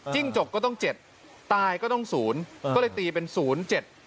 จิ้งจกก็ต้อง๗ตายก็ต้อง๐ก็เลยตีเป็น๐๗๐ครับ